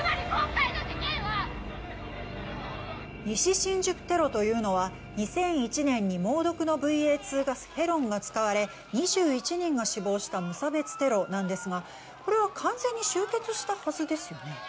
西新宿テロというのは２００１年に猛毒のＶＡ２ガスヘロンが使われ２１人が死亡した無差別テロなんですがこれは完全に終結したはずですよね？